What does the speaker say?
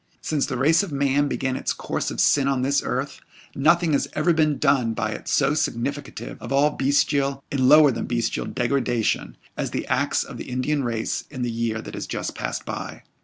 Since the race of man began its course of sin on this earth, nothing has ever been done by it so significative of all bestial, and lower than bestial degradation, as the acts the Indian race in the year that has just passed by.